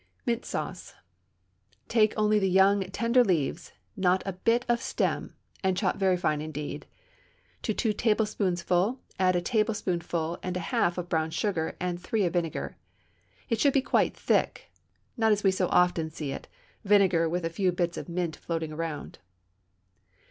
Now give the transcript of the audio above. Mint Sauce. Take only the young, tender leaves, not a bit of stem, and chop very fine indeed. To two tablespoonfuls add a tablespoonful and a half of brown sugar and three of vinegar. It should be quite thick, not as we so often see it vinegar with a few bits of mint floating around.